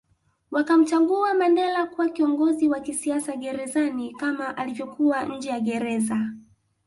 Wakamchagua Mandela kuwa kiongozi wa kisiasa gerezani kama alivyokuwa nje ya Gereza